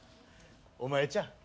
お前ちゃうん？